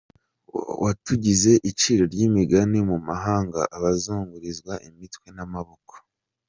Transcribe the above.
Watugize iciro ry’imigani mu mahanga, Abazungurizwa imitwe n’amoko.